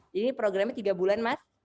jadi programnya tiga bulan mas